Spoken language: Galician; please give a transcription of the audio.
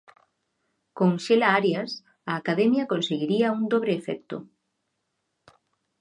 Con Xela Arias, a Academia conseguiría un dobre efecto.